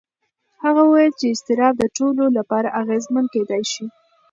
هغه وویل چې اضطراب د ټولو لپاره اغېزمن کېدای شي.